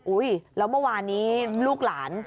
แล้วเมื่อวานนี้ลูกหลาน